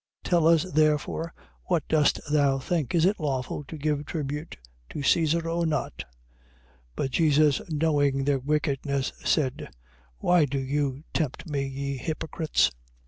Tell us therefore what dost thou think? Is it lawful to give tribute to Caesar, or not? 22:18. But Jesus knowing their wickedness, said: Why do you tempt me, ye hypocrites? 22:19.